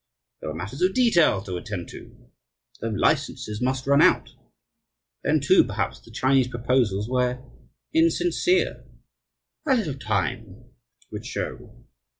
There were matters of detail to attend to. The licenses must run out. Then, too, perhaps the Chinese proposals were "insincere" a little time would show.